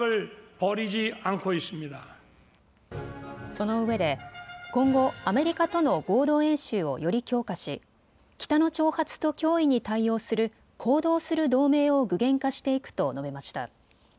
そのうえで今後、アメリカとの合同演習をより強化し北の挑発と脅威に対応する行動する同盟を具現化していくと述べました。